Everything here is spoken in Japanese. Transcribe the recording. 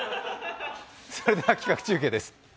それでは企画中継です。